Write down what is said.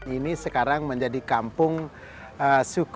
ini sekarang menjadi tempat yang sangat menarik